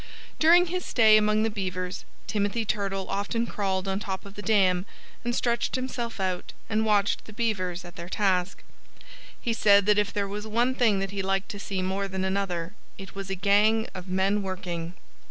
During his stay among the Beavers Timothy Turtle often crawled on top of the dam and stretched himself out and watched the Beavers at their task. He said that if there was one thing that he liked to see more than another it was "a gang of men working."